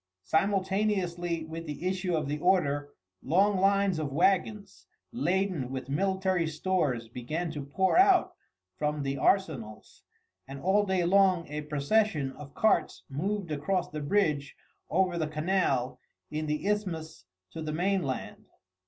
Simultaneously with the issue of the order long lines of wagons, laden with military stores, began to pour out from the arsenals, and all day long a procession of carts moved across the bridge over the canal in the isthmus to the mainland.